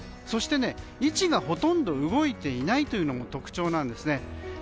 そして、位置がほとんど動いていないというのも特徴なんですね。